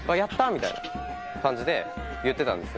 みたいな感じで言ってたんですね。